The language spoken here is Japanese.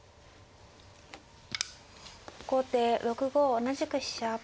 後手６五同じく飛車。